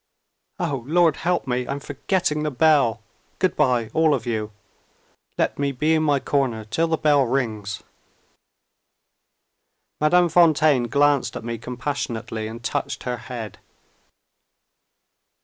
Oh, Lord help me, I'm forgetting the bell! good bye, all of you. Let me be in my corner till the bell rings." Madame Fontaine glanced at me compassionately, and touched her bead.